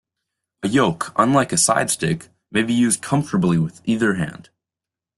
A yoke, unlike a side-stick, may be used comfortably with either hand.